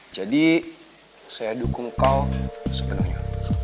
jadi saya dukung kau sepenuhnya